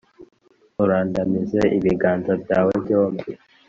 urandamize ibiganza byawe byombi.